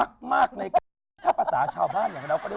ทำไมเราไม่พูดกันขนาดนี้